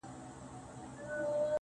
هغه له قبره اوس زما خواته ناره نه کوي~